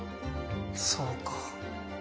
そうか。